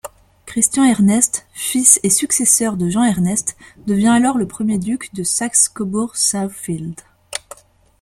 Christian-Ernest, fils et successeur de Jean-Ernest, devient alors le premier duc de Saxe-Cobourg-Saalfeld.